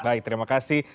baik terima kasih